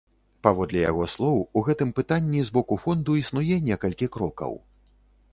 Паводле яго слоў, у гэтым пытанні з боку фонду існуе некалькі крокаў.